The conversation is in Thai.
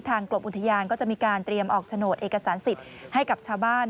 กรมอุทยานก็จะมีการเตรียมออกโฉนดเอกสารสิทธิ์ให้กับชาวบ้าน